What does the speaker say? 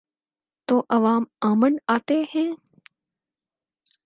تو عوام امنڈ آتے ہیں۔